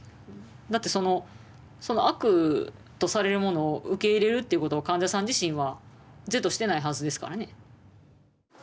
だってその「悪」とされるものを受け入れるということを患者さん自身は是としてないはずですからね。